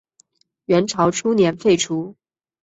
元朝初年废除。